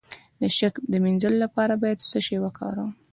د شک د مینځلو لپاره باید څه شی وکاروم؟